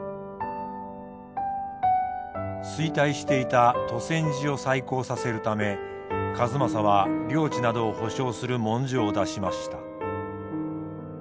衰退していた兎川寺を再興させるため数正は領地などを保証する文書を出しました。